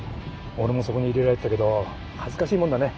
俺もそこに入れられてたけど恥ずかしいもんだね。